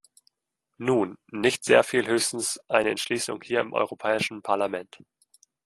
Nun, nicht sehr viel höchstens eine Entschließung hier im Europäischen Parlament.